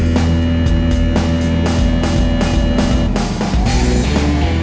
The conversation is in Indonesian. udah bocan mbak